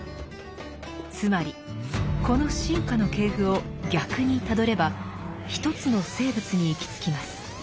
つまりこの進化の系譜を逆にたどれば一つの生物に行き着きます。